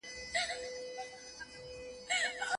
که استاد تشویق وکړي نو باوري کېږې.